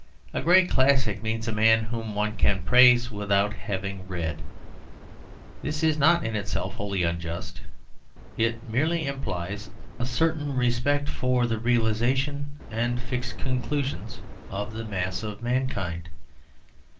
A great classic means a man whom one can praise without having read. This is not in itself wholly unjust; it merely implies a certain respect for the realisation and fixed conclusions of the mass of mankind.